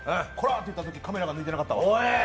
って言ったときカメラが抜いてなかったわ。